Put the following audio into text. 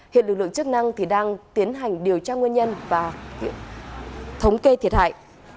hiện lực lượng chức năng thì đang tiến hành điều tra nguyên nhân và thống kê thiệt hại